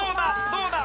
どうだ？